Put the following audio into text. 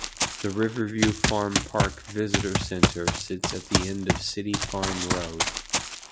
The Riverview Farm Park Visitor Center sits at the end of City Farm Road.